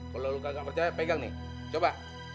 kalau lo kagak percaya pegang nih coba